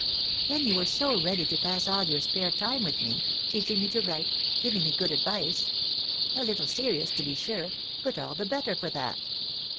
Then you were so ready to pass all your spare time with me, teaching me to write, giving me good advice, a little serious, to be sure, but all the better for that.